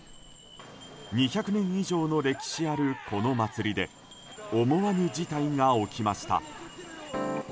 ２００年以上の歴史あるこの祭りで思わぬ事態が起きました。